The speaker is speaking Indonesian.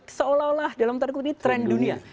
itulah dalam terkutu ini tren dunia